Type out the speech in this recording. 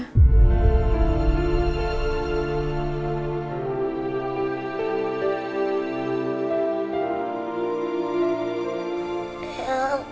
nanti dia akan naik kerusi roda